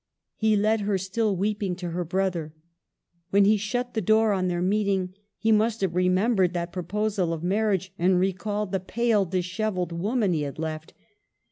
He led her, still weeping, to her brother. When he shut the door on their meeting, he must have remembered that proposal of marriage, and re called the pale, dishevelled woman he had left.